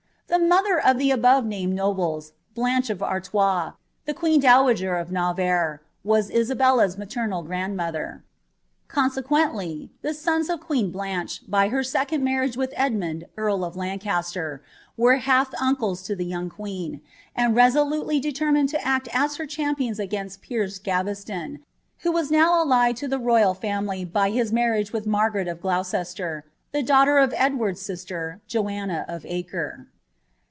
The mother of the ■bciTo^named nobles, Blanche of Artoia, the queen dowager of Kuvarre, mw l»bcUB''a maternal grandmother;' consequendy) ttie sons of queen Btaache, by her second marriage viiih Edmund earl of Lancaster, were half tinclea to the young queen, and resolutely determined to act as her chuupioiia against Piers Gaveston, who was now allied to the royal family by his marriage with Margaret of Gloucester, die daughter of Edward^B »i»ter, Joanna of Acre.'